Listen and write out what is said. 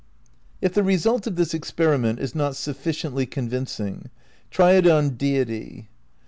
If the result of this experiment is not sufficiently convincing, try it on Deity.